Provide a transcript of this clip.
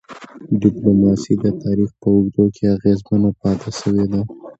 ډيپلوماسي د تاریخ په اوږدو کي اغېزمنه پاتې سوی ده.